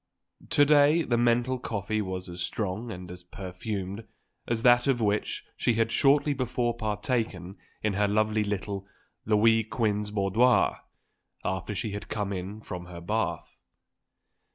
To day the mental coffee was as strong and as perfumed as that of which she had shortly before partaken in her lovely little Louis Quinze boudoir, after she had come in from her bath.